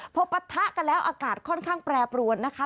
พอปะทะกันแล้วอากาศค่อนข้างแปรปรวนนะคะ